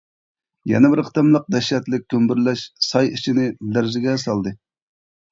يەنە بىر قېتىملىق دەھشەتلىك گۈمبۈرلەش ساي ئىچىنى لەرزىگە سالدى.